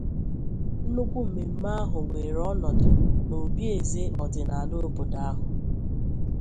Nnukwu mmemme ahụ wèèrè ọnọdụ n'obí eze ọdịnala obodo ahụ